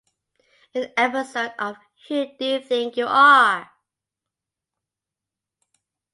An episode of Who Do You Think You Are?